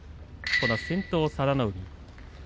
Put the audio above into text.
この先頭佐田の海